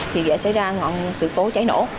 thì sẽ xảy ra sự cố cháy nổ